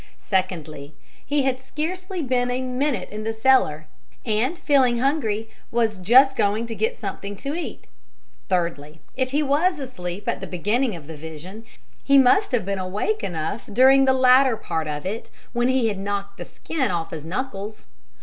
Secondly, he had scarcely been a minute in the cellar, and, feeling hungry, was just going to get something to eat. Thirdly, if he was asleep at the beginning of the vision, he must have been awake enough during the latter part of it when he had knocked the skin off his knuckles.